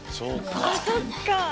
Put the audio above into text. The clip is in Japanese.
あっそっか！